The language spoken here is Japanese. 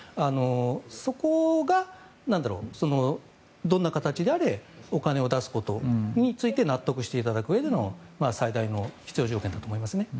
そこがどんな形であれお金を出すことについて納得していただくうえでの最大の必要条件だと思います。